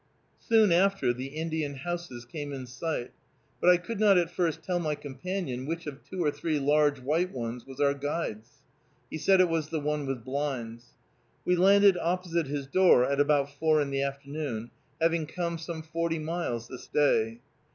Soon after the Indian houses came in sight, but I could not at first tell my companion which of two or three large white ones was our guide's. He said it was the one with blinds. We landed opposite his door at about four in the afternoon, having come some forty miles this day.